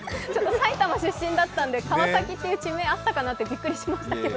埼玉出身だったんで、川崎っていう地名あったのかなって思ったんですけど。